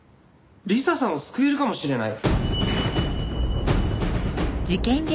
理彩さんを救えるかもしれない？